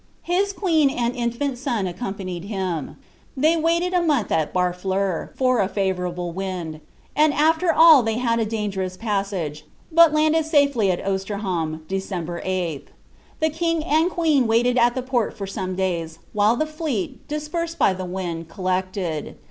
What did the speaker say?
His queen and infant son accompanied him. They miw) a month at Bartleur, for a favourable wind,' and al\er all th«y had a dn gerous passage, but landed safely at Osterhara, Dec. 8. The king ud queen waited at the port for some days, while the fleet, dispersefl bjr the wind, collected.